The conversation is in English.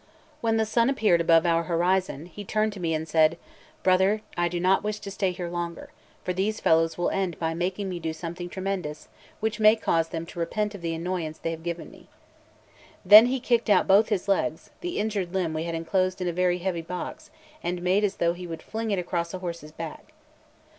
When the sun appeared above our horizon, he turned to me and said: "Brother, I do not wish to stay here longer, for these fellows will end by making me do something tremendous, which may cause them to repent of the annoyance they have given me." Then he kicked out both his legs the injured limb we had enclosed in a very heavy box and made as though he would fling it across a horse's back.